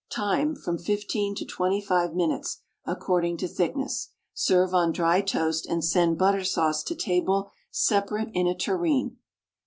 Time, from fifteen to twenty five minutes, according to thickness. Serve on dry toast, and send butter sauce to table separate in a tureen.